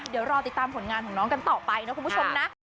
เดี๋ยวรอติดตามผลงานของน้องกันต่อไปนะคุณผู้ชมนะ